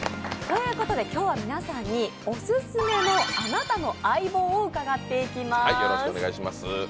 今日は皆さんにオススメのあなたの相棒を伺っていきます。